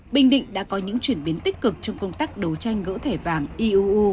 bình định đã có những chuyển biến tích cực trong công tác đấu tranh